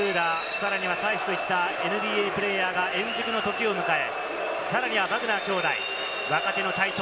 さらにはタイスといった、ＮＢＡプレーヤーが円熟のときを迎え、さらにバグナー兄弟、若手の台頭。